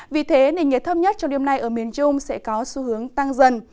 vì thế nền nhiệt thấp nhất trong đêm nay ở miền trung sẽ có xu hướng tăng dần